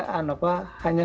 hanya super kluster